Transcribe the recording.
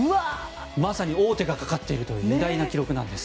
まさに王手がかかっている偉大な記録なんです。